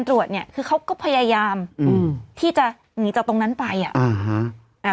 ตรวจเนี้ยคือเขาก็พยายามอืมที่จะหนีจากตรงนั้นไปอ่ะอ่าฮะอ่า